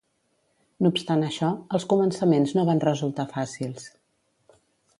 No obstant això, els començaments no van resultar fàcils.